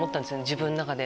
自分の中で。